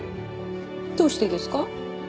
どうしてですか？